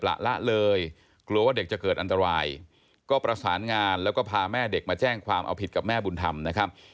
แล้วจะพาแม่เด็กมาแจ้งความเอาผิดกับแม่บุญธรรมนะครับ